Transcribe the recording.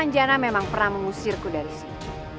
jana memang pernah mengusirku dari sini